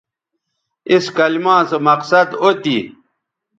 اِس کلما سو مقصد او تھی